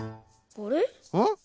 あれ？